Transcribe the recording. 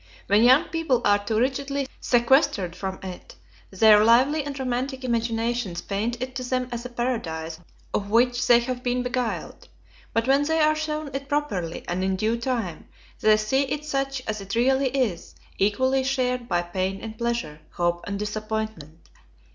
When young people are too rigidly sequestered from it, their lively and romantic imaginations paint it to them as a paradise of which they have been beguiled; but when they are shown it properly, and in due time, they see it such as it really is, equally shared by pain and pleasure, hope and disappointment.